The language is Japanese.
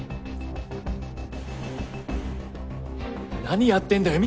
何やってんだよ！